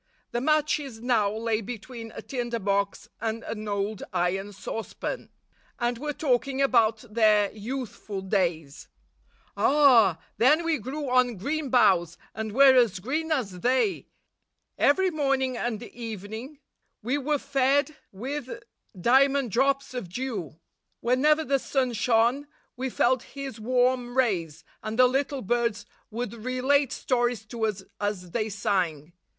The matches now lay between a tinder box and an old iron saucepan, and were talking about their youthful days. ' Ah ! Then we grew on green boughs, and were as green as they. Every morning and evening we were fed with diamond drops of dew. Whenever the sun shone, we felt his warm rays, and the little birds would relate stories to us as they sang.